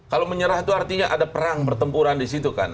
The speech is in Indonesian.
kalau menyerah itu artinya ada perang pertempuran di situ kan